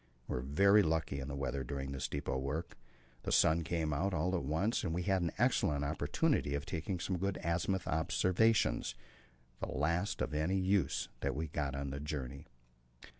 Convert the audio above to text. We were very lucky in the weather during this depot work; the sun came out all at once, and we had an excellent opportunity of taking some good azimuth observations, the last of any use that we got on the journey.